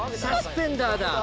サスペンダーだ。